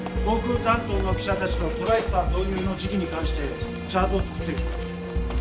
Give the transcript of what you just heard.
航空担当の記者たちとトライスター導入の時期に関してチャートを作ってみた。